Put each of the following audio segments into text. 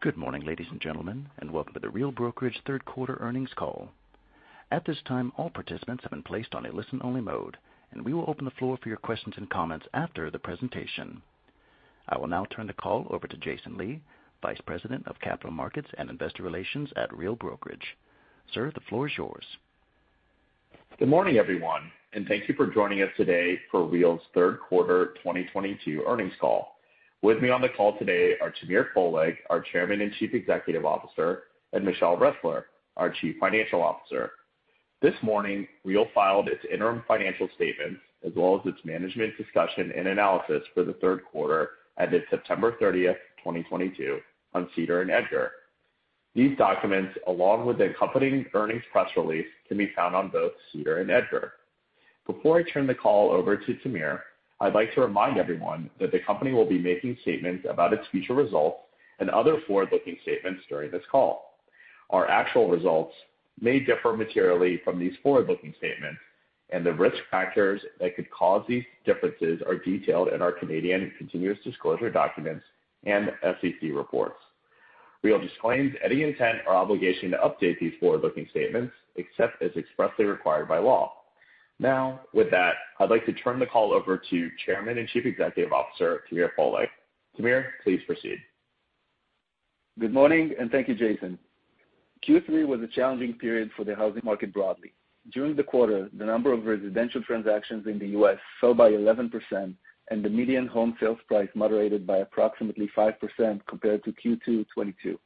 Good morning, ladies and gentlemen, and welcome to The Real Brokerage third quarter earnings call. At this time, all participants have been placed on a listen-only mode, and we will open the floor for your questions and comments after the presentation. I will now turn the call over to Jason Lee, Vice President of Capital Markets and Investor Relations at Real Brokerage. Sir, the floor is yours. Good morning, everyone, and thank you for joining us today for Real's third quarter 2022 earnings call. With me on the call today are Tamir Poleg, our Chairman and Chief Executive Officer, and Michelle Ressler, our Chief Financial Officer. This morning, Real filed its interim financial statements as well as its management discussion and analysis for the third quarter ended September 30, 2022 on SEDAR and EDGAR. These documents, along with the accompanying earnings press release, can be found on both SEDAR and EDGAR. Before I turn the call over to Tamir, I'd like to remind everyone that the company will be making statements about its future results and other forward-looking statements during this call. Our actual results may differ materially from these forward-looking statements and the risk factors that could cause these differences are detailed in our Canadian continuous disclosure documents and SEC reports. Real disclaims any intent or obligation to update these forward-looking statements except as expressly required by law. Now, with that, I'd like to turn the call over to Chairman and Chief Executive Officer, Tamir Poleg. Tamir, please proceed. Good morning, and thank you, Jason. Q3 was a challenging period for the housing market broadly. During the quarter, the number of residential transactions in the U.S. fell by 11%, and the median home sales price moderated by approximately 5% compared to Q2 2022.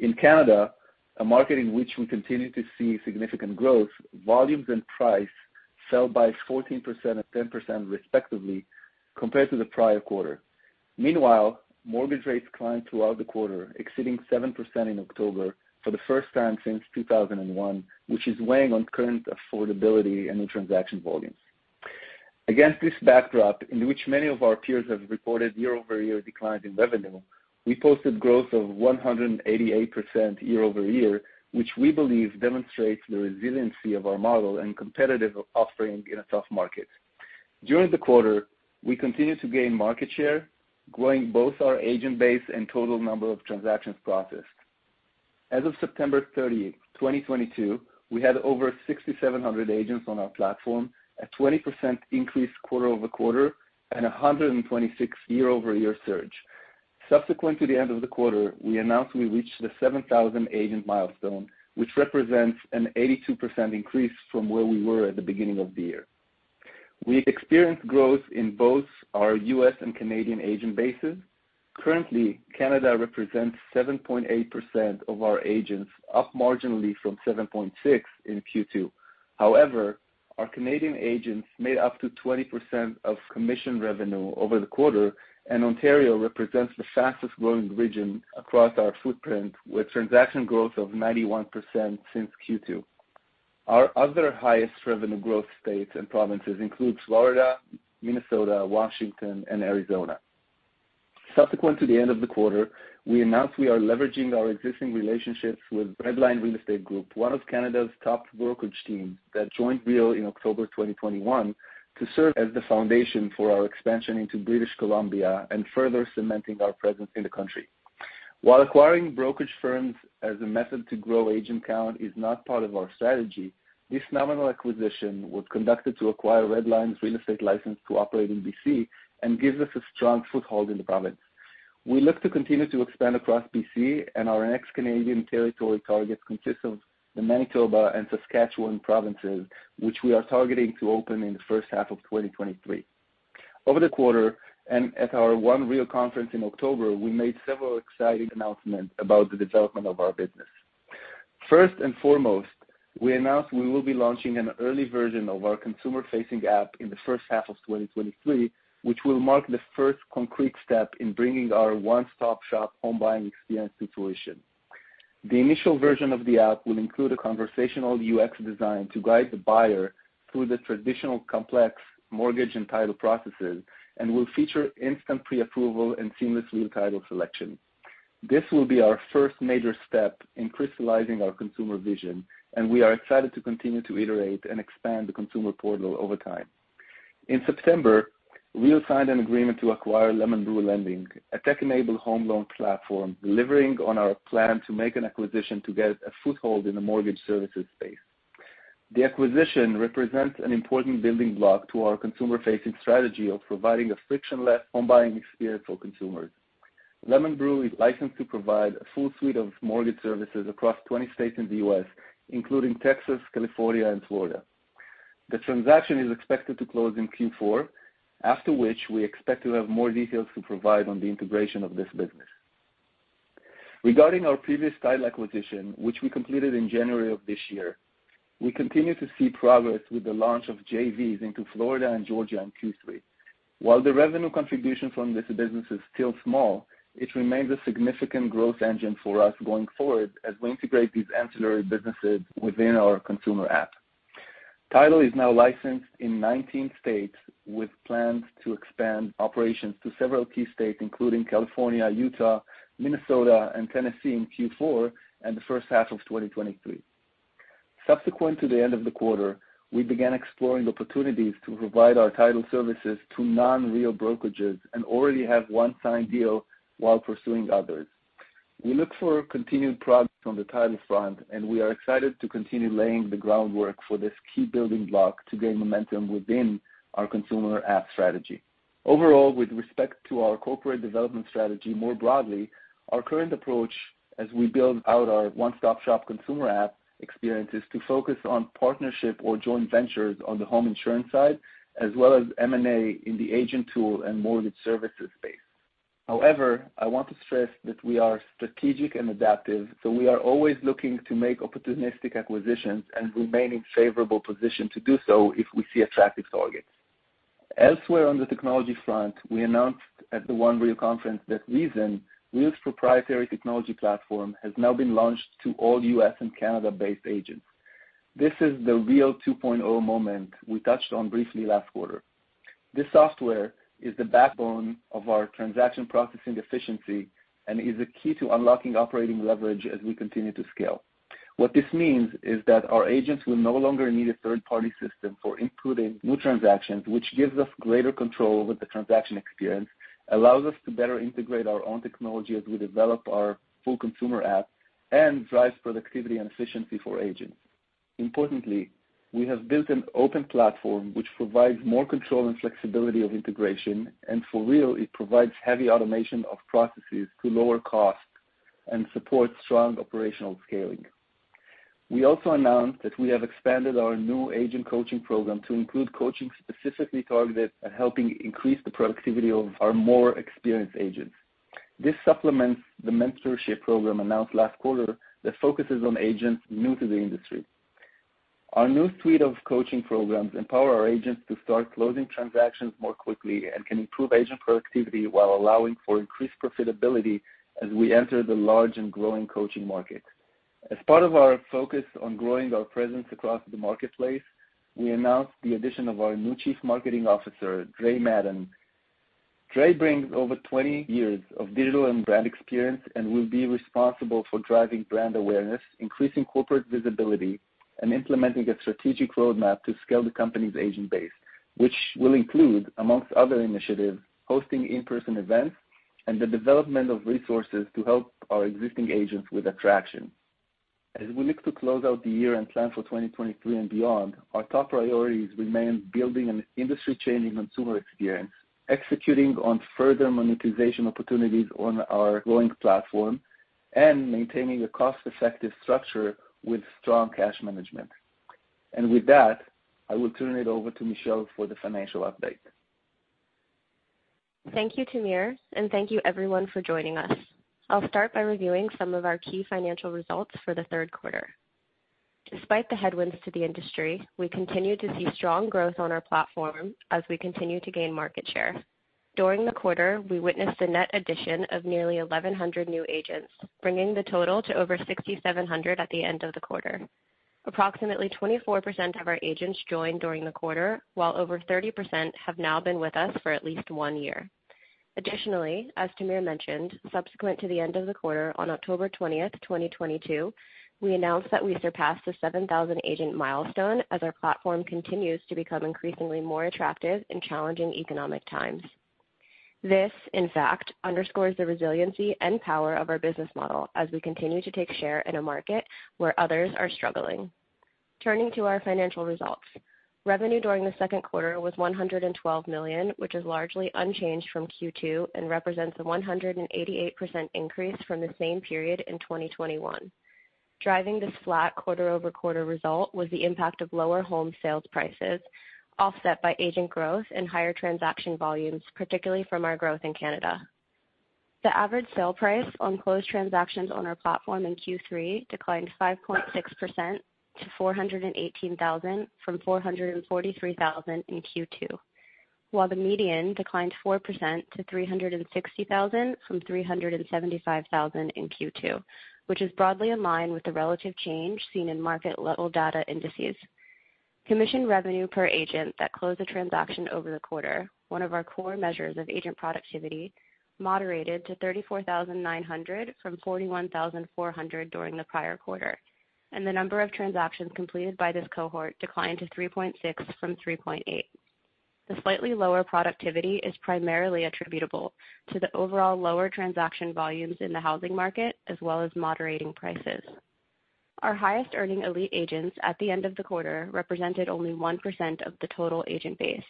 In Canada, a market in which we continue to see significant growth, volumes and price fell by 14% and 10% respectively compared to the prior quarter. Meanwhile, mortgage rates climbed throughout the quarter, exceeding 7% in October for the first time since 2001, which is weighing on current affordability and in transaction volumes. Against this backdrop, in which many of our peers have reported year-over-year decline in revenue, we posted growth of 188% year-over-year, which we believe demonstrates the resiliency of our model and competitive offering in a tough market. During the quarter, we continued to gain market share, growing both our agent base and total number of transactions processed. As of September 30, 2022, we had over 6,700 agents on our platform, a 20% increase quarter-over-quarter and a 126% year-over-year surge. Subsequent to the end of the quarter, we announced we reached the 7,000 agent milestone, which represents an 82% increase from where we were at the beginning of the year. We experienced growth in both our U.S. and Canadian agent bases. Currently, Canada represents 7.8% of our agents, up marginally from 7.6% in Q2. However, our Canadian agents made up to 20% of commission revenue over the quarter, and Ontario represents the fastest-growing region across our footprint, with transaction growth of 91% since Q2. Our other highest revenue growth states and provinces include Florida, Minnesota, Washington, and Arizona. Subsequent to the end of the quarter, we announced we are leveraging our existing relationships with Redline Real Estate Group, one of Canada's top brokerage teams that joined Real in October 2021, to serve as the foundation for our expansion into British Columbia and further cementing our presence in the country. While acquiring brokerage firms as a method to grow agent count is not part of our strategy, this nominal acquisition was conducted to acquire Redline's real estate license to operate in BC and gives us a strong foothold in the province. We look to continue to expand across BC, and our next Canadian territory target consists of the Manitoba and Saskatchewan provinces, which we are targeting to open in the first half of 2023. Over the quarter and at our One Real conference in October, we made several exciting announcements about the development of our business. First and foremost, we announced we will be launching an early version of our consumer-facing app in the first half of 2023, which will mark the first concrete step in bringing our one-stop-shop home buying experience to fruition. The initial version of the app will include a conversational UX design to guide the buyer through the traditional complex mortgage and title processes and will feature instant preapproval and seamless Real Title selection. This will be our first major step in crystallizing our consumer vision, and we are excited to continue to iterate and expand the consumer portal over time. In September, Real signed an agreement to acquire LemonBrew Lending, a tech-enabled home loan platform delivering on our plan to make an acquisition to get a foothold in the mortgage services space. The acquisition represents an important building block to our consumer-facing strategy of providing a frictionless home buying experience for consumers. LemonBrew is licensed to provide a full suite of mortgage services across 20 states in the U.S., including Texas, California, and Florida. The transaction is expected to close in Q4, after which we expect to have more details to provide on the integration of this business. Regarding our previous Real Title acquisition, which we completed in January of this year, we continue to see progress with the launch of JVs into Florida and Georgia in Q3. While the revenue contribution from this business is still small, it remains a significant growth engine for us going forward as we integrate these ancillary businesses within our consumer app. Title is now licensed in 19 states with plans to expand operations to several key states, including California, Utah, Minnesota, and Tennessee in Q4 and the first half of 2023. Subsequent to the end of the quarter, we began exploring opportunities to provide our title services to non-Real brokerages and already have one signed deal while pursuing others. We look for continued progress on the title front, and we are excited to continue laying the groundwork for this key building block to gain momentum within our consumer app strategy. Overall, with respect to our corporate development strategy more broadly, our current approach as we build out our one-stop-shop consumer app experience is to focus on partnership or joint ventures on the home insurance side, as well as M&A in the agent tool and mortgage services space. However, I want to stress that we are strategic and adaptive, so we are always looking to make opportunistic acquisitions and remain in favorable position to do so if we see attractive targets. Elsewhere on the technology front, we announced at the One Real conference that reZEN, Real's proprietary technology platform, has now been launched to all U.S. and Canada-based agents. This is the Real 2.0 moment we touched on briefly last quarter. This software is the backbone of our transaction processing efficiency and is a key to unlocking operating leverage as we continue to scale. What this means is that our agents will no longer need a third-party system for inputting new transactions, which gives us greater control over the transaction experience, allows us to better integrate our own technology as we develop our full consumer app, and drives productivity and efficiency for agents. Importantly, we have built an open platform which provides more control and flexibility of integration, and for Real, it provides heavy automation of processes to lower costs and supports strong operational scaling. We also announced that we have expanded our new agent coaching program to include coaching specifically targeted at helping increase the productivity of our more experienced agents. This supplements the mentorship program announced last quarter that focuses on agents new to the industry. Our new suite of coaching programs empower our agents to start closing transactions more quickly and can improve agent productivity while allowing for increased profitability as we enter the large and growing coaching market. As part of our focus on growing our presence across the marketplace, we announced the addition of our new Chief Marketing Officer, Dre Madden. Dre brings over 20 years of digital and brand experience and will be responsible for driving brand awareness, increasing corporate visibility, and implementing a strategic roadmap to scale the company's agent base, which will include, amongst other initiatives, hosting in-person events and the development of resources to help our existing agents with attraction. As we look to close out the year and plan for 2023 and beyond, our top priorities remain building an industry-changing consumer experience, executing on further monetization opportunities on our growing platform, and maintaining a cost-effective structure with strong cash management. With that, I will turn it over to Michelle for the financial update. Thank you, Tamir, and thank you everyone for joining us. I'll start by reviewing some of our key financial results for the third quarter. Despite the headwinds to the industry, we continue to see strong growth on our platform as we continue to gain market share. During the quarter, we witnessed a net addition of nearly 1,100 new agents, bringing the total to over 6,700 at the end of the quarter. Approximately 24% of our agents joined during the quarter, while over 30% have now been with us for at least one year. Additionally, as Tamir mentioned, subsequent to the end of the quarter on October 20, 2022, we announced that we surpassed the 7,000 agent milestone as our platform continues to become increasingly more attractive in challenging economic times. This, in fact, underscores the resiliency and power of our business model as we continue to take share in a market where others are struggling. Turning to our financial results. Revenue during the second quarter was $112 million, which is largely unchanged from Q2 and represents a 188% increase from the same period in 2021. Driving this flat quarter-over-quarter result was the impact of lower home sales prices, offset by agent growth and higher transaction volumes, particularly from our growth in Canada. The average sale price on closed transactions on our platform in Q3 declined 5.6% to $418,000 from $443,000 in Q2, while the median declined 4% to $360,000 from $375,000 in Q2, which is broadly in line with the relative change seen in market-level data indices. Commission revenue per agent that closed a transaction over the quarter, one of our core measures of agent productivity, moderated to $34,900 from $41,400 during the prior quarter, and the number of transactions completed by this cohort declined to 3.6 from 3.8. The slightly lower productivity is primarily attributable to the overall lower transaction volumes in the housing market as well as moderating prices. Our highest-earning elite agents at the end of the quarter represented only 1% of the total agent base,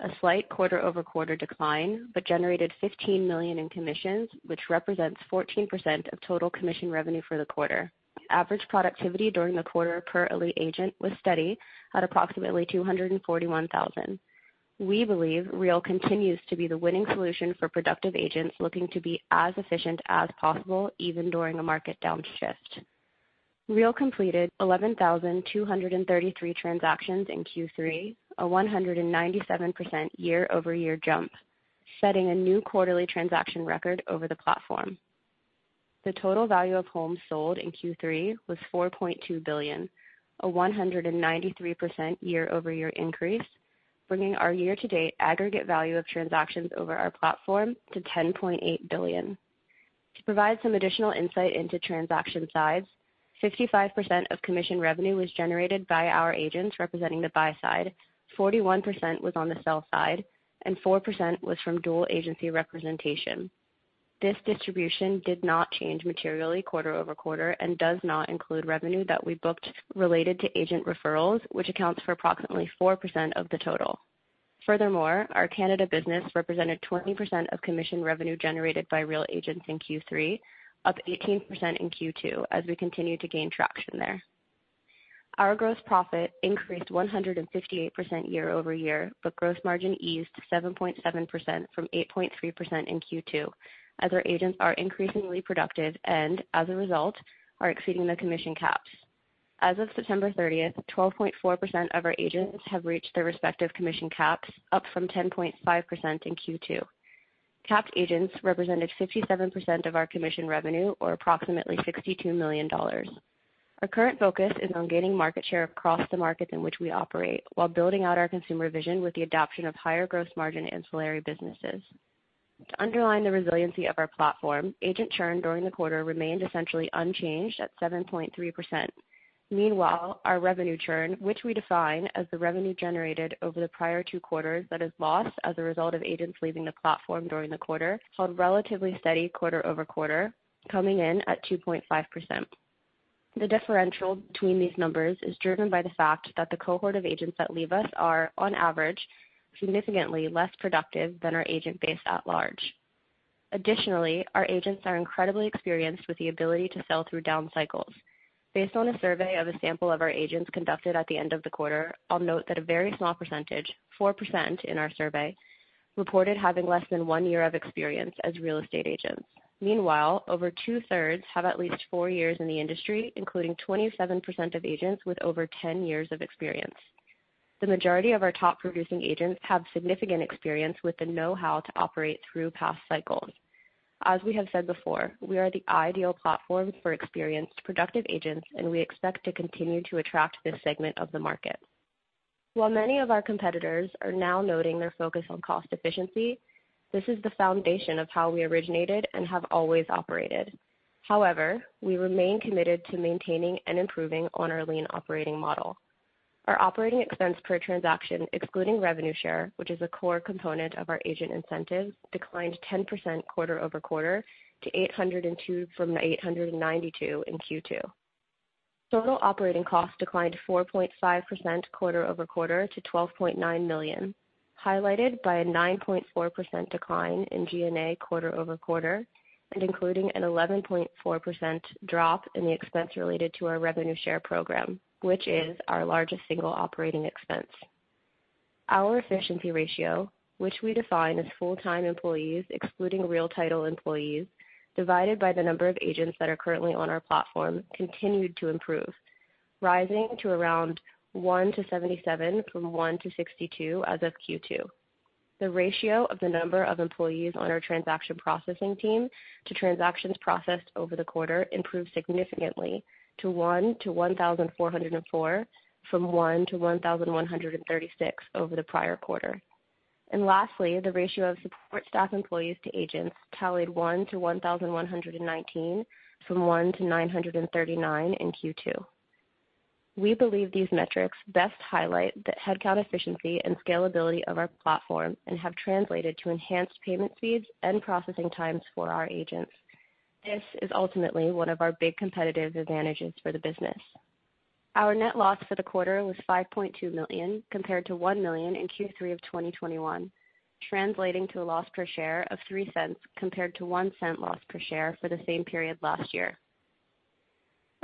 a slight quarter-over-quarter decline, but generated $15 million in commissions, which represents 14% of total commission revenue for the quarter. Average productivity during the quarter per elite agent was steady at approximately 241,000. We believe Real continues to be the winning solution for productive agents looking to be as efficient as possible, even during a market downshift. Real completed 11,233 transactions in Q3, a 197% year-over-year jump, setting a new quarterly transaction record over the platform. The total value of homes sold in Q3 was $4.2 billion, a 193% year-over-year increase, bringing our year-to-date aggregate value of transactions over our platform to $10.8 billion. To provide some additional insight into transaction size, 55% of commission revenue was generated by our agents representing the buy side, 41% was on the sell side, and 4% was from dual agency representation. This distribution did not change materially quarter-over-quarter and does not include revenue that we booked related to agent referrals, which accounts for approximately 4% of the total. Furthermore, our Canada business represented 20% of commission revenue generated by Real agents in Q3, up 18% in Q2, as we continue to gain traction there. Our gross profit increased 158% year-over-year, but gross margin eased to 7.7% from 8.3% in Q2 as our agents are increasingly productive and as a result are exceeding the commission caps. As of September 30th, 12.4% of our agents have reached their respective commission caps, up from 10.5% in Q2. Capped agents represented 57% of our commission revenue or approximately $62 million. Our current focus is on gaining market share across the markets in which we operate while building out our consumer vision with the adoption of higher gross margin ancillary businesses. To underline the resiliency of our platform, agent churn during the quarter remained essentially unchanged at 7.3%. Meanwhile, our revenue churn, which we define as the revenue generated over the prior two quarters that is lost as a result of agents leaving the platform during the quarter, held relatively steady quarter-over-quarter, coming in at 2.5%. The differential between these numbers is driven by the fact that the cohort of agents that leave us are, on average, significantly less productive than our agent base at large. Additionally, our agents are incredibly experienced with the ability to sell through down cycles. Based on a survey of a sample of our agents conducted at the end of the quarter, I'll note that a very small percentage, 4% in our survey, reported having less than one year of experience as real estate agents. Meanwhile, over 2/3 have at least four years in the industry, including 27% of agents with over 10 years of experience. The majority of our top-producing agents have significant experience with the know-how to operate through past cycles. As we have said before, we are the ideal platform for experienced, productive agents, and we expect to continue to attract this segment of the market. While many of our competitors are now noting their focus on cost efficiency, this is the foundation of how we originated and have always operated. However, we remain committed to maintaining and improving on our lean operating model. Our operating expense per transaction, excluding revenue share, which is a core component of our agent incentive, declined 10% quarter-over-quarter to $802 from $892 in Q2. Total operating costs declined 4.5% quarter-over-quarter to $12.9 million, highlighted by a 9.4% decline in G&A quarter-over-quarter and including an 11.4% drop in the expense related to our revenue share program, which is our largest single operating expense. Our efficiency ratio, which we define as full-time employees, excluding Real Title employees, divided by the number of agents that are currently on our platform, continued to improve, rising to around one to 77 from one to 62 as of Q2. The ratio of the number of employees on our transaction processing team to transactions processed over the quarter improved significantly to one to 1,404 from one to 1,136 over the prior quarter. Lastly, the ratio of support staff employees to agents tallied one to 1,119 from one to 939 in Q2. We believe these metrics best highlight the headcount efficiency and scalability of our platform and have translated to enhanced payment speeds and processing times for our agents. This is ultimately one of our big competitive advantages for the business. Our net loss for the quarter was $5.2 million, compared to $1 million in Q3 of 2021, translating to a loss per share of $0.03 compared to $0.01 loss per share for the same period last year.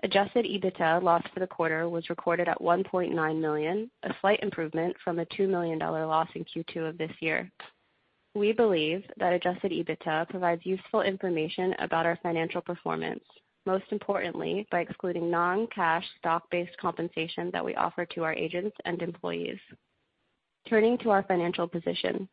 Adjusted EBITDA loss for the quarter was recorded at $1.9 million, a slight improvement from a $2 million loss in Q2 of this year. We believe that Adjusted EBITDA provides useful information about our financial performance, most importantly, by excluding non-cash stock-based compensation that we offer to our agents and employees. Turning to our financial position.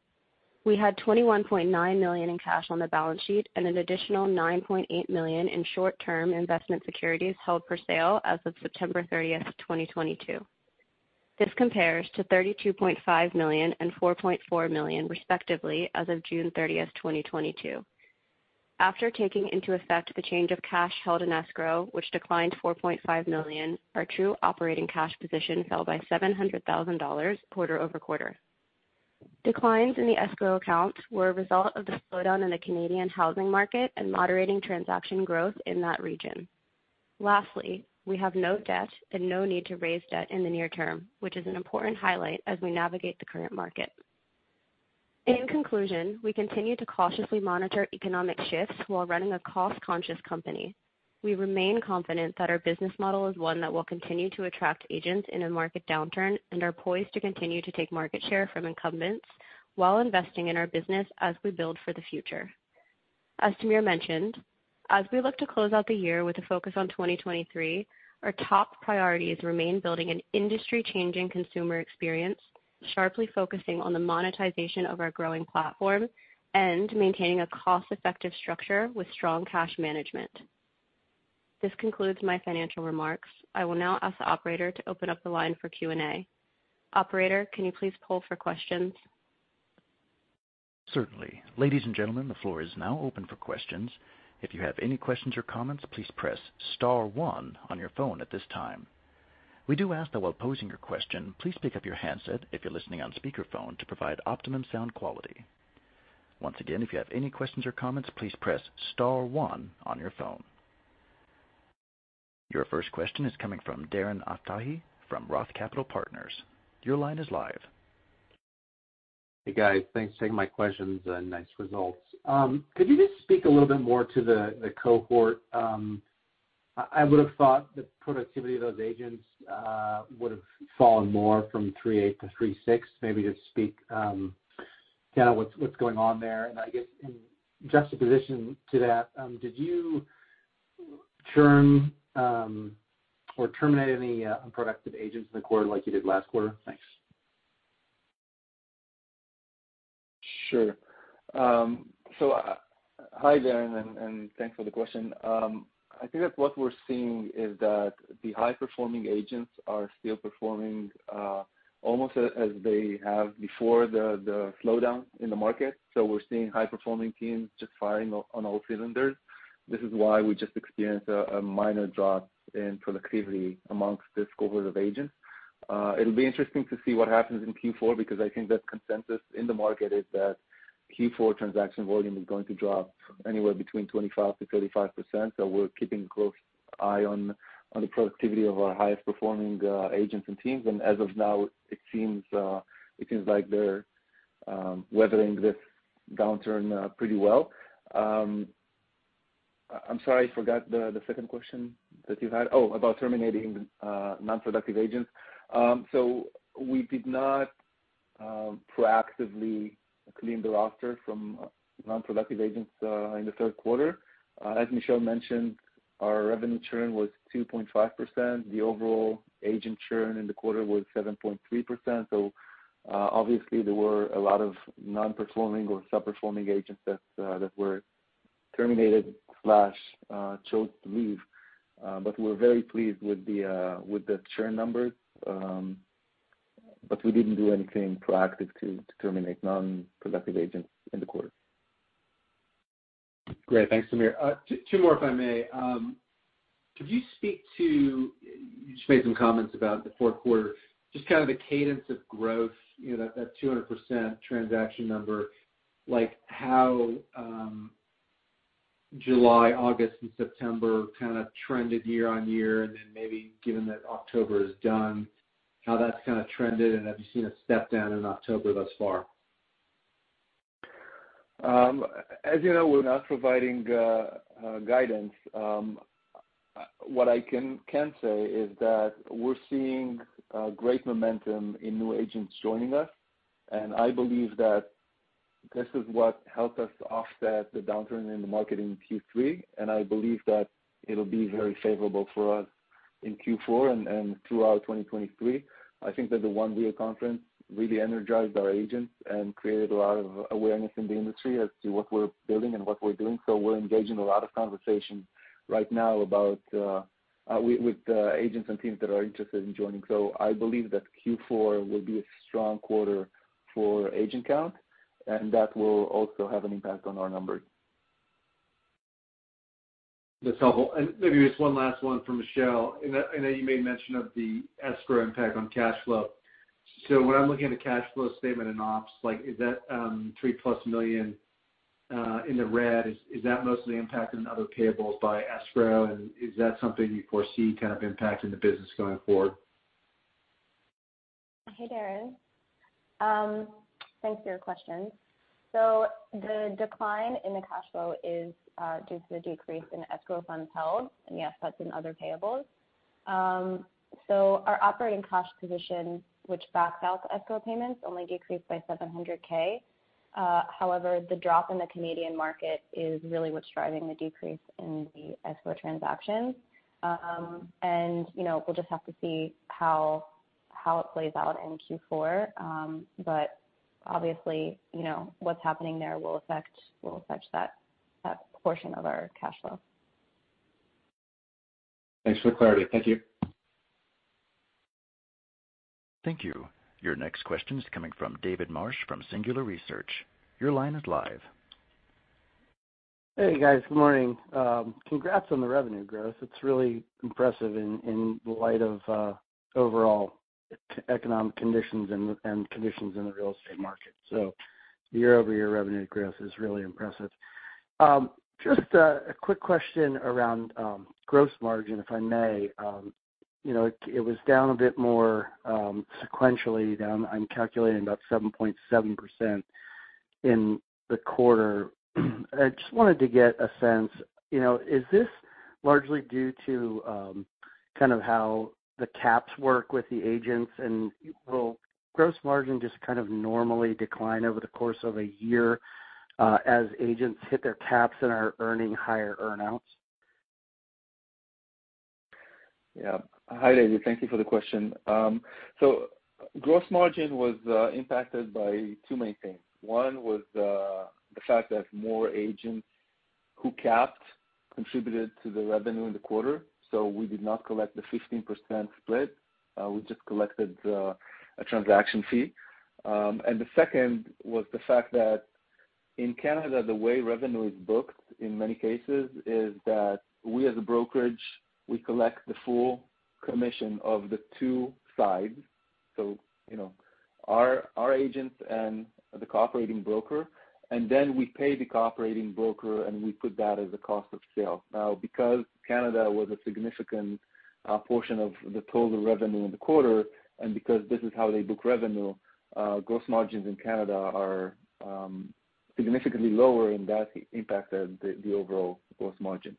We had $21.9 million in cash on the balance sheet and an additional $9.8 million in short-term investment securities held for sale as of September 30, 2022. This compares to $32.5 million and $4.4 million, respectively, as of June 30, 2022. After taking into effect the change of cash held in escrow, which declined $4.5 million, our true operating cash position fell by $700,000 quarter-over-quarter. Declines in the escrow account were a result of the slowdown in the Canadian housing market and moderating transaction growth in that region. Lastly, we have no debt and no need to raise debt in the near term, which is an important highlight as we navigate the current market. In conclusion, we continue to cautiously monitor economic shifts while running a cost-conscious company. We remain confident that our business model is one that will continue to attract agents in a market downturn and are poised to continue to take market share from incumbents while investing in our business as we build for the future. As Tamir mentioned, as we look to close out the year with a focus on 2023, our top priorities remain building an industry-changing consumer experience, sharply focusing on the monetization of our growing platform, and maintaining a cost-effective structure with strong cash management. This concludes my financial remarks. I will now ask the operator to open up the line for Q&A. Operator, can you please poll for questions? Certainly. Ladies and gentlemen, the floor is now open for questions. If you have any questions or comments, please press star one on your phone at this time. We do ask that while posing your question, please pick up your handset if you're listening on speakerphone to provide optimum sound quality. Once again, if you have any questions or comments, please press star one on your phone. Your first question is coming from Darren Aftahi from Roth Capital Partners. Your line is live. Hey, guys. Thanks for taking my questions and nice results. Could you just speak a little bit more to the cohort? I would have thought the productivity of those agents would have fallen more from 38 to 36. Maybe just speak kinda what's going on there. I guess in juxtaposition to that, did you churn or terminate any unproductive agents in the quarter like you did last quarter? Thanks. Sure. Hi, Darren, thanks for the question. I think that what we're seeing is that the high-performing agents are still performing almost as they have before the slowdown in the market. We're seeing high-performing teams just firing on all cylinders. This is why we just experienced a minor drop in productivity amongst this cohort of agents. It'll be interesting to see what happens in Q4 because I think that consensus in the market is that Q4 transaction volume is going to drop anywhere between 25%-35%. We're keeping close eye on the productivity of our highest performing agents and teams. As of now, it seems like they're weathering this downturn pretty well. I'm sorry, I forgot the second question that you had. About terminating non-productive agents. We did not proactively clean the roster from non-productive agents in the third quarter. As Michelle mentioned, our revenue churn was 2.5%. The overall agent churn in the quarter was 7.3%. Obviously there were a lot of non-performing or sub-performing agents that were terminated or chose to leave. We're very pleased with the churn numbers. We didn't do anything proactive to terminate non-productive agents in the quarter. Great. Thanks, Tamir. Two more, if I may. You just made some comments about the fourth quarter. Just kind of the cadence of growth, you know, that 200% transaction number, like how July, August and September kinda trended year-over-year and then maybe given that October is done, how that's kinda trended, and have you seen a step down in October thus far? As you know, we're not providing guidance. What I can say is that we're seeing great momentum in new agents joining us, and I believe that this is what helped us offset the downturn in the market in Q3. I believe that it'll be very favorable for us in Q4 and throughout 2023. I think that the One Real conference really energized our agents and created a lot of awareness in the industry as to what we're building and what we're doing. We're engaged in a lot of conversation right now about agents and teams that are interested in joining. I believe that Q4 will be a strong quarter for agent count, and that will also have an impact on our numbers. That's helpful. Maybe just one last one for Michelle. I know you made mention of the escrow impact on cash flow. When I'm looking at the cash flow statement in ops, like is that $3+ million in the red, is that mostly impacted in other payables by escrow and is that something you foresee kind of impacting the business going forward? Hey, Darren. Thanks for your question. The decline in the cash flow is due to the decrease in escrow funds held. Yes, that's in other payables. Our operating cash position, which backs out the escrow payments, only decreased by $700K. However, the drop in the Canadian market is really what's driving the decrease in the escrow transactions. You know, we'll just have to see how it plays out in Q4. Obviously, you know, what's happening there will affect that portion of our cash flow. Thanks for the clarity. Thank you. Thank you. Your next question is coming from David Marsh from Singular Research. Your line is live. Hey, guys. Good morning. Congrats on the revenue growth. It's really impressive in light of overall economic conditions and conditions in the real estate market. Year-over-year revenue growth is really impressive. Just a quick question around gross margin, if I may. You know, it was down a bit more sequentially down, I'm calculating about 7.7% in the quarter. I just wanted to get a sense, you know, is this largely due to kind of how the caps work with the agents and will gross margin just kind of normally decline over the course of a year as agents hit their caps and are earning higher earn-outs? Yeah. Hi, David. Thank you for the question. Gross margin was impacted by two main things. One was the fact that more agents who capped contributed to the revenue in the quarter, so we did not collect the 15% split. We just collected a transaction fee. The second was the fact that in Canada, the way revenue is booked in many cases is that we as a brokerage, we collect the full commission of the two sides. You know, our agents and the cooperating broker, and then we pay the cooperating broker, and we put that as a cost of sale. Now, because Canada was a significant portion of the total revenue in the quarter and because this is how they book revenue, gross margins in Canada are significantly lower, and that impacted the overall gross margin.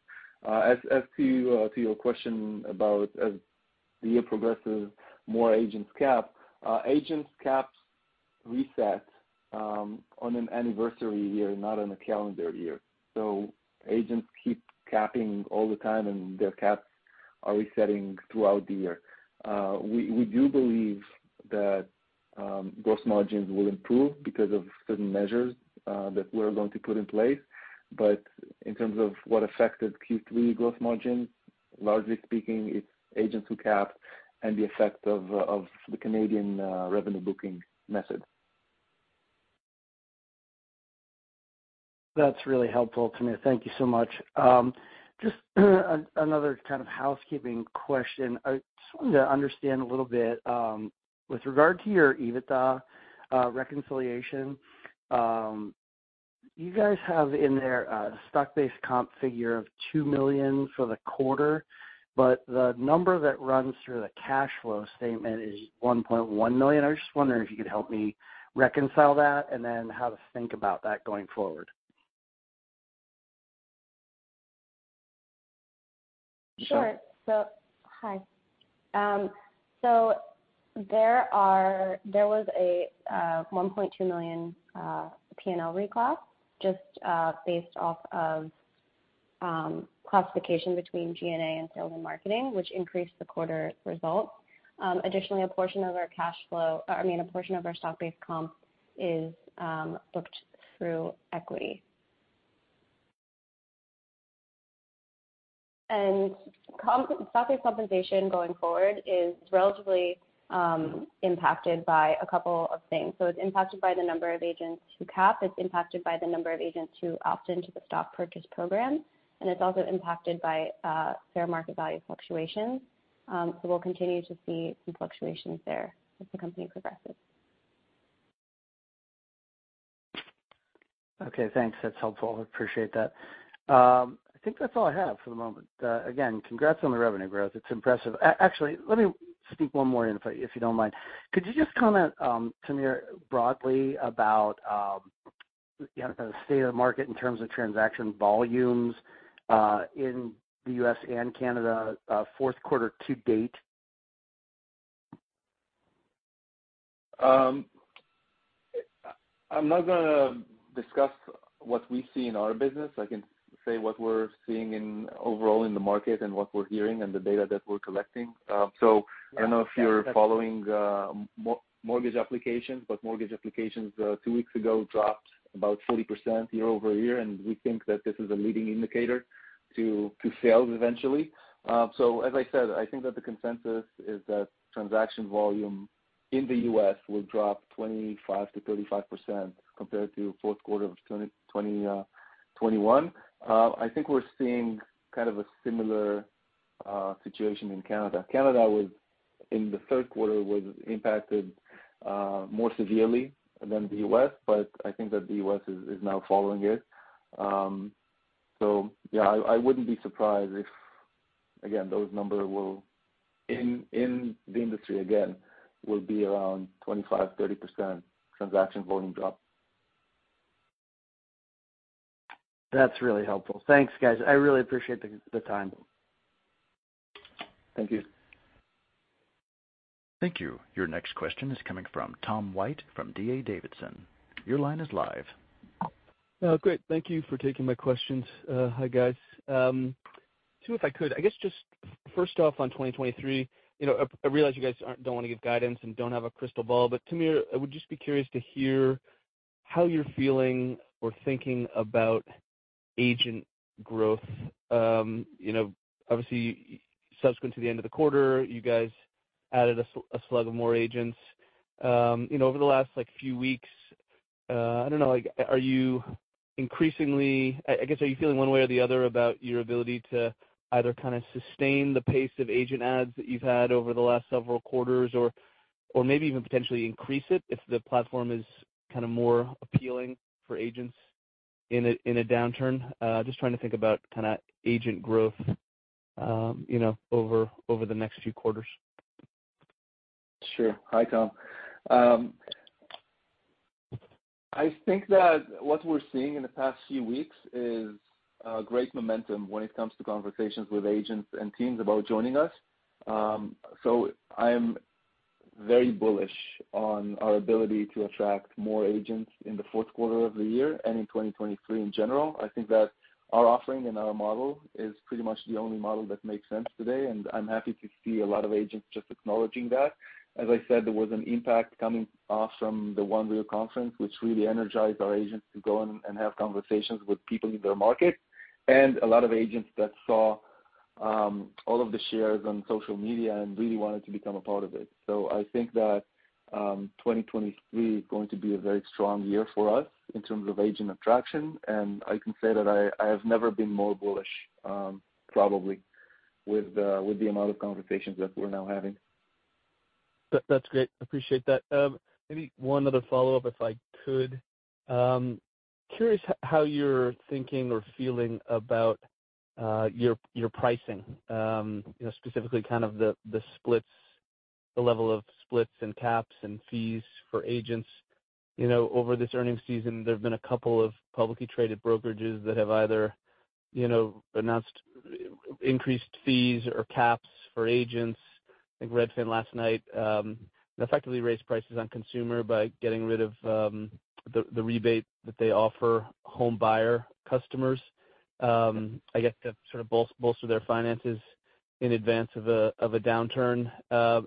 As to your question about as the year progresses, more agents cap. Agents caps reset on an anniversary year, not on a calendar year. Agents keep capping all the time and their caps are resetting throughout the year. We do believe that gross margins will improve because of certain measures that we're going to put in place. In terms of what affected Q3 gross margins, largely speaking, it's agents who capped and the effect of the Canadian revenue booking method. That's really helpful, Tamir. Thank you so much. Just another kind of housekeeping question. I just wanted to understand a little bit, with regard to your EBITDA, reconciliation. You guys have in there a stock-based comp figure of $2 million for the quarter, but the number that runs through the cash flow statement is $1.1 million. I was just wondering if you could help me reconcile that and then how to think about that going forward. Sure. Hi. There was a $1.2 million P&L reclass based off of classification between G&A and sales and marketing, which increased the quarter results. Additionally, a portion of our stock-based comp is booked through equity. Stock-based compensation going forward is relatively impacted by a couple of things. It's impacted by the number of agents who cap, it's impacted by the number of agents who opt into the stock purchase program, and it's also impacted by fair market value fluctuations. We'll continue to see some fluctuations there as the company progresses. Okay, thanks. That's helpful. Appreciate that. I think that's all I have for the moment. Again, congrats on the revenue growth. It's impressive. Actually, let me sneak one more in if you don't mind. Could you just comment, Tamir, broadly about you know, kind of the state of the market in terms of transaction volumes in the U.S., and Canada, fourth quarter to date? I'm not gonna discuss what we see in our business. I can say what we're seeing overall in the market and what we're hearing and the data that we're collecting. I don't know if you're following mortgage applications, but mortgage applications two weeks ago dropped about 40% year-over-year, and we think that this is a leading indicator to sales eventually. I think that the consensus is that transaction volume in the U.S. Will drop 25%-35% compared to fourth quarter of 2021. I think we're seeing kind of a similar situation in Canada. Canada was in the third quarter impacted more severely than the U.S. I think that the U.S. is now following it. Yeah, I wouldn't be surprised if, again, those numbers will in the industry again will be around 25%-30% transaction volume drop. That's really helpful. Thanks, guys. I really appreciate the time. Thank you. Thank you. Your next question is coming from Tom White from D.A. Davidson. Your line is live. Great. Thank you for taking my questions. Hi, guys. Two if I could. I guess just first off, on 2023, you know, I realize you guys don't wanna give guidance and don't have a crystal ball, but Tamir, I would just be curious to hear how you're feeling or thinking about agent growth. You know, obviously subsequent to the end of the quarter, you guys added a slug of more agents. You know, over the last like few weeks, I don't know, like, are you increasingly. I guess are you feeling one way or the other about your ability to either kinda sustain the pace of agent adds that you've had over the last several quarters or maybe even potentially increase it if the platform is kinda more appealing for agents in a downturn? Just trying to think about kinda agent growth, you know, over the next few quarters. Sure. Hi, Tom. I think that what we're seeing in the past few weeks is great momentum when it comes to conversations with agents and teams about joining us. So I'm very bullish on our ability to attract more agents in the fourth quarter of the year and in 2023 in general. I think that our offering and our model is pretty much the only model that makes sense today, and I'm happy to see a lot of agents just acknowledging that. As I said, there was an impact coming off from the One Real conference, which really energized our agents to go and have conversations with people in their market. A lot of agents that saw all of the shares on social media and really wanted to become a part of it. I think that 2023 is going to be a very strong year for us in terms of agent attraction. I can say that I have never been more bullish, probably with the amount of conversations that we're now having. That's great. Appreciate that. Maybe one other follow-up if I could. Curious how you're thinking or feeling about your pricing, you know, specifically kind of the splits, the level of splits and caps and fees for agents. You know, over this earnings season, there have been a couple of publicly traded brokerages that have either, you know, announced increased fees or caps for agents. I think Redfin last night, effectively raised prices on consumer by getting rid of the rebate that they offer home buyer customers. I guess to sort of bolster their finances in advance of a downturn.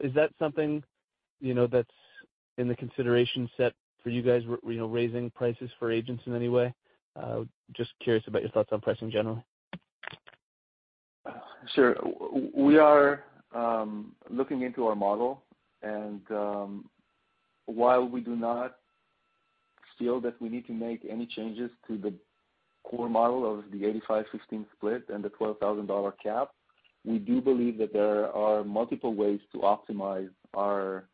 Is that something, you know, that's in the consideration set for you guys, you know, raising prices for agents in any way? Just curious about your thoughts on pricing in general. Sure. We are looking into our model, and while we do not feel that we need to make any changes to the core model of the 85/15 split and the $12,000 cap, we do believe that there are multiple ways to optimize our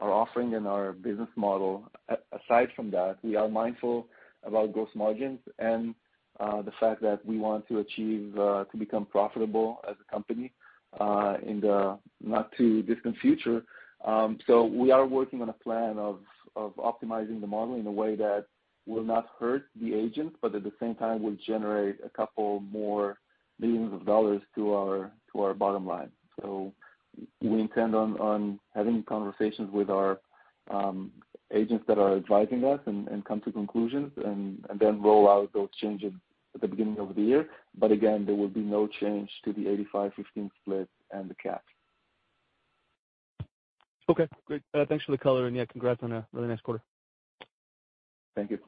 offering and our business model. Aside from that, we are mindful about gross margins and the fact that we want to achieve to become profitable as a company in the not too distant future. We are working on a plan of optimizing the model in a way that will not hurt the agent, but at the same time will generate a couple more million of dollars to our bottom line. We intend on having conversations with our agents that are advising us and come to conclusions and then roll out those changes at the beginning of the year. Again, there will be no change to the 85/15 split and the cap. Okay, great. Thanks for the color. Yeah, congrats on a really nice quarter. Thank you.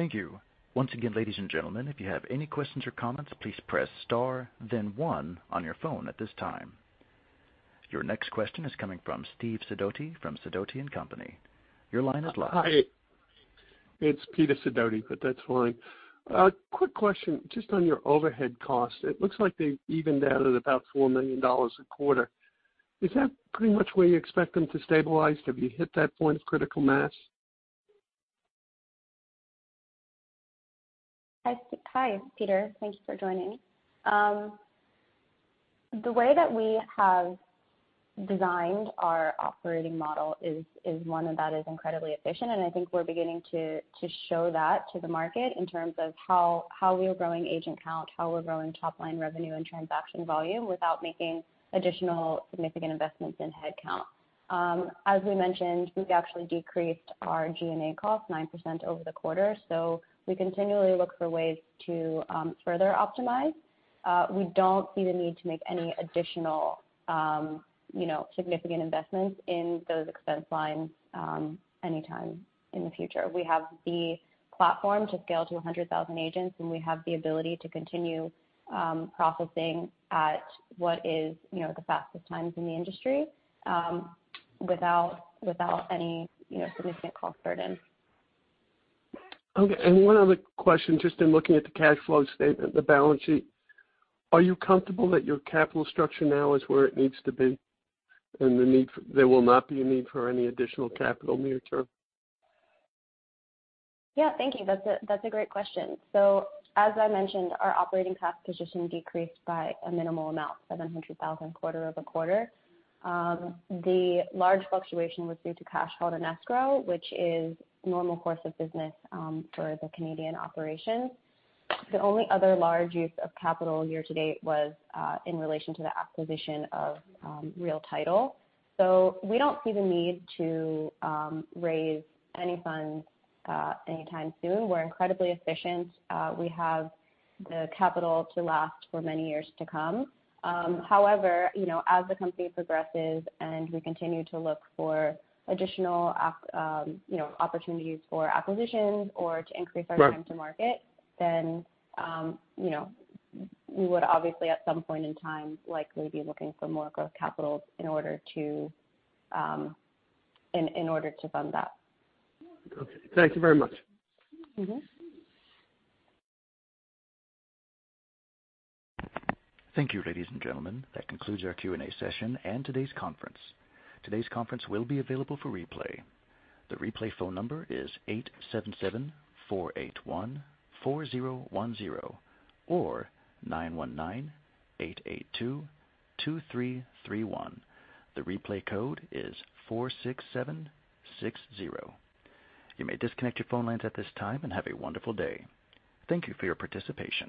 Thank you. Once again, ladies and gentlemen, if you have any questions or comments, please press star then one on your phone at this time. Your next question is coming from Peter Sidoti from Sidoti & Company. Your line is live. Hi. It's Peter Sidoti, but that's fine. A quick question just on your overhead costs. It looks like they've evened out at about $4 million a quarter. Is that pretty much where you expect them to stabilize? Have you hit that point of critical mass? Hi, Peter. Thank you for joining. The way that we have designed our operating model is one that is incredibly efficient, and I think we're beginning to show that to the market in terms of how we are growing agent count, how we're growing top-line revenue and transaction volume without making additional significant investments in headcount. As we mentioned, we've actually decreased our G&A costs 9% over the quarter, so we continually look for ways to further optimize. We don't see the need to make any additional, you know, significant investments in those expense lines anytime in the future. We have the platform to scale to 100,000 agents, and we have the ability to continue processing at what is, you know, the fastest times in the industry without any, you know, significant cost burden. Okay. One other question, just in looking at the cash flow statement, the balance sheet, are you comfortable that your capital structure now is where it needs to be and there will not be a need for any additional capital near-term? Yeah, thank you. That's a great question. So as I mentioned, our operating cash position decreased by a minimal amount, $700,000 quarter-over-quarter. The large fluctuation was due to cash held in escrow, which is normal course of business, for the Canadian operations. The only other large use of capital year to date was in relation to the acquisition of Real Title. So we don't see the need to raise any funds anytime soon. We're incredibly efficient. We have the capital to last for many years to come. However, you know, as the company progresses and we continue to look for additional opportunities for acquisitions or to increase our- Right. Time to market, you know, we would obviously at some point in time likely be looking for more growth capital in order to fund that. Okay. Thank you very much. Mm-hmm. Thank you, ladies and gentlemen. That concludes our Q&A session and today's conference. Today's conference will be available for replay. The replay phone number is 877-481-4010 or 919-882-2331. The replay code is 46760. You may disconnect your phone lines at this time and have a wonderful day. Thank you for your participation.